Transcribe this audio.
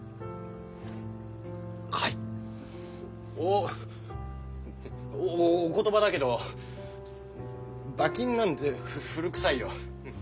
おお言葉だけど馬琴なんて古くさいよ。